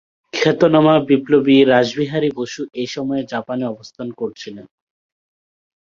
খ্যাতনামা বিপ্লবী রাসবিহারী বসু এ সময়ে জাপানে অবস্থান করছিলেন।